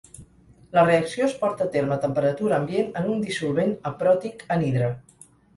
La reacció es porta a terme a temperatura ambient en un dissolvent apròtic anhidre.